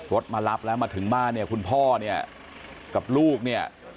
มารับแล้วมาถึงบ้านเนี่ยคุณพ่อเนี่ยกับลูกเนี่ย